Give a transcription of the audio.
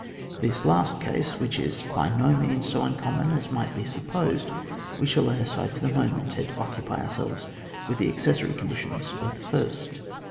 This last case, which is by no means BO uncommon as might be supposed, we shall lay aside for the moment, and occupy ourselves with the accessory con ditions of the first.